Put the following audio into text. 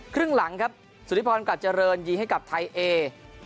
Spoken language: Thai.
ครึ่งหลังครับสุธิพรกัดเจริญยิงให้กับไทยเอ